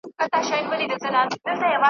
چي یې وکتل منګول ته خامتما سو ,